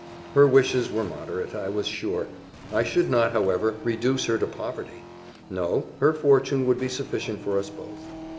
Her wishes were moderate, I was sure I should not, however, reduce her to poverty; no, her fortune would be sufficient for us both.